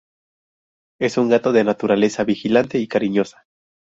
Es un gato de naturaleza vigilante y cariñosa.